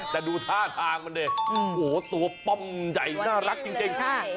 แต่ดูท่าทางมันดิโอ้โหตัวป้อมใหญ่น่ารักจริง